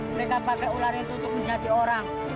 mereka pakai ular itu untuk menjadi orang